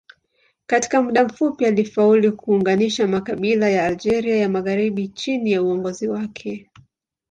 Katika muda mfupi alifaulu kuunganisha makabila ya Algeria ya magharibi chini ya uongozi wake.